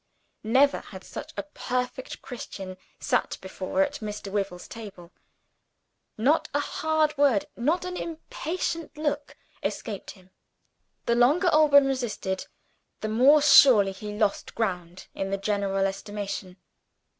Never had such a perfect Christian sat before at Mr. Wyvil's table: not a hard word, not an impatient look, escaped him. The longer Alban resisted, the more surely he lost ground in the general estimation.